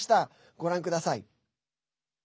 ご覧ください。